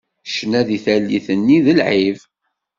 Ccna di tallit nni d lεib.